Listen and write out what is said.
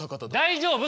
大丈夫？